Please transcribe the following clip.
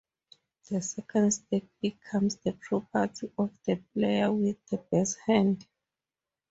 The second stake becomes the property of the player with the best hand.